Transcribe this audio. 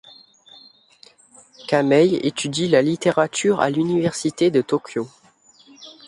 Kamei étudie la littérature à l'université de Tokyo.